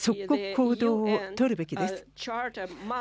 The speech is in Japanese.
即刻行動を取るべきです。